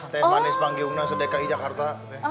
teh manis panggi una sedekai jakarta